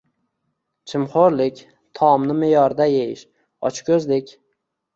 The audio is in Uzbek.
Chimxo‘rlik – taomni me’yorida yeyish – ochko‘zlik.